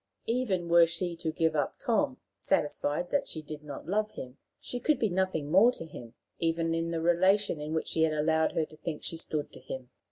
Even were she to give up Tom, satisfied that she did not love him, she could be nothing more to him, even in the relation in which he had allowed her to think she stood to him.